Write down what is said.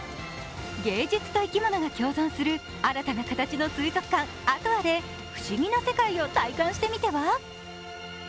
芸術と生き物が共存する新たな形の水族館、ａｔｏａで不思議な世界を体感してみては？